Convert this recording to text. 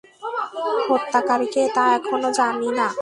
হত্যাকারী কে, তা এখনো জানি না।